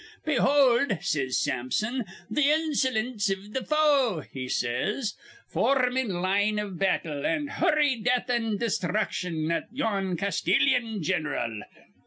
'Behold,' says Sampson, 'th' insolince iv th' foe,' he says. 'For rm in line iv battle, an' hur rl death an' desthruction at yon Castilyan gin'ral.'